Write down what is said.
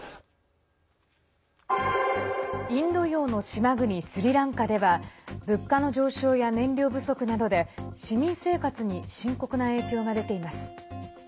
インド洋の島国スリランカでは物価の上昇や燃料不足などで市民生活に深刻な影響が出ています。